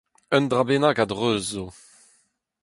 Un dra bennak a-dreuz zo.